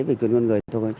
về quyền con người thôi